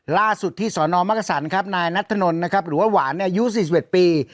ล่าสุดที่สนมักกษันครับนายนัทธนลนะครับหรือว่าหวานอายุ๔๑ปี